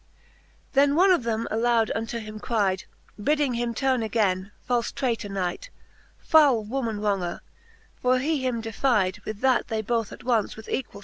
VII. Then one of them aloud unto him cryde, Bidding him turne againe, falfe tray tour Knight, Foule woman wronger, for he him defyde. With that they both at once with equall